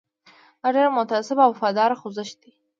دا ډېر متعصب او وفادار خوځښت دی.